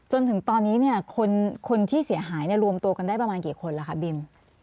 จนถึงตอนนี้เนี่ยคนที่เสียหายรวมตัวกันได้ประมาณกี่คนล่ะคะบิม